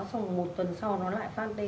xong một tuần sau nó lại phan tên